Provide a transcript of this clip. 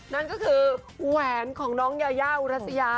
นั่นก็คือแหวนของน้องยายาอุรัสยา